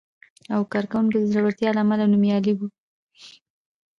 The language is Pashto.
او کارونکو د زړورتیا له امله نومیالی و،